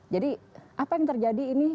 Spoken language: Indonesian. jadi apa yang terjadi ini